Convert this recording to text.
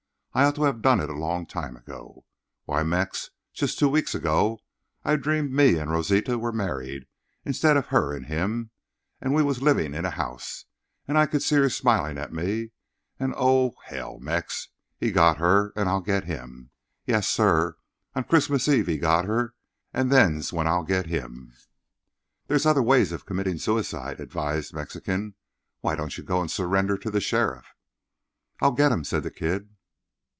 I ought to have done it a long time ago. Why, Mex, just two weeks ago I dreamed me and Rosita was married instead of her and him; and we was living in a house, and I could see her smiling at me, and—oh! h––––l, Mex, he got her; and I'll get him—yes, sir, on Christmas Eve he got her, and then's when I'll get him." "There's other ways of committing suicide," advised Mexican. "Why don't you go and surrender to the sheriff?" "I'll get him," said the Kid.